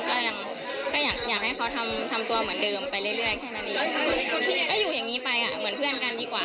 ก็อยู่อย่างนี้ไปเหมือนเพื่อนกันดีกว่า